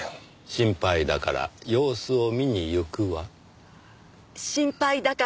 心配だから様子を見に行くわ。